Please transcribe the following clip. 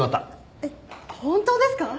えっ本当ですか？